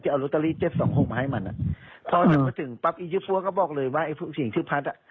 เอาลอตเตอรี่เจ็ดสองหกมาให้มันอ่ะพอถึงมาถึงปั๊บอียี่ปั้วก็บอกเลยว่าไอ้เสียงชื่อพัดอ่ะ